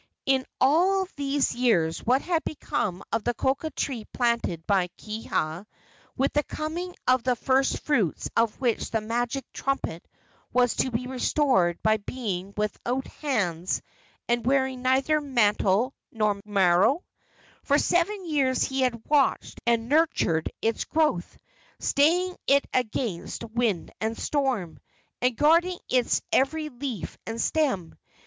In all these years what had become of the cocoa tree planted by Kiha, with the coming of the first fruits of which the magic trumpet was to be restored by a being without hands and wearing neither mantle nor maro? For seven years he had watched and nurtured its growth, staying it against wind and storm, and guarding its every leaf and stem.